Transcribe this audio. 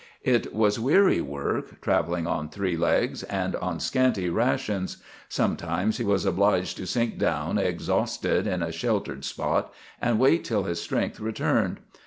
It was weary work, travelling on three legs and on scanty rations. Sometimes he was obliged to sink down exhausted in a sheltered spot and wait till his strength returned.